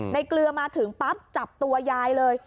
เกลือมาถึงปั๊บจับตัวยายเลย